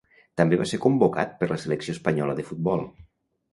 També va ser convocat per la selecció espanyola de futbol.